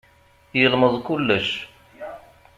Yelmeẓ kullec.